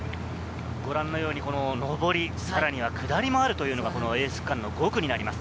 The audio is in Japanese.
ご覧のように上り、さらには下りもあるというエース区間の５区になります。